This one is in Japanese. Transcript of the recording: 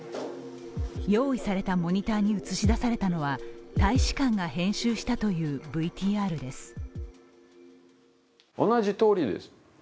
用意されたモニターに映し出されたのは大使館が編集したというＶＴＲです。